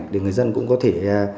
thì người dân cũng có thể